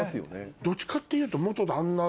どっちかっていうと旦那。